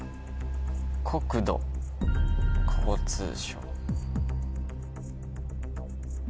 国土交通省。